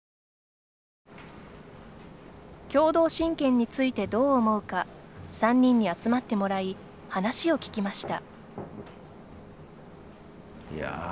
共同親権についてどう思うか３人に集まってもらい話を聞きました。